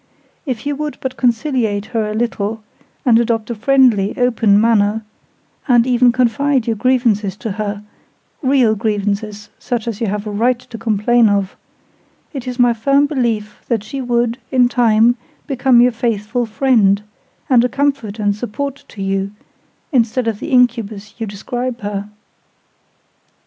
If you would but conciliate her a little, and adopt a friendly, open manner—and even confide your grievances to her—real grievances, such as you have a right to complain of—it is my firm belief that she would, in time, become your faithful friend, and a comfort and support to you, instead of the incubus you describe her."